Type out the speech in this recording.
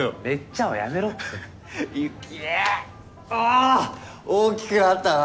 あ大きくなったな。